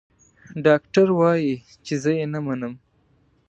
ډاکټر وايي چې زه يې نه منم.